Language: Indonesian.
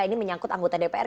ini menyangkut anggota dpr